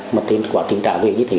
mà tên quá trình trả về như thế